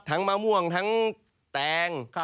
มะม่วงทั้งแตง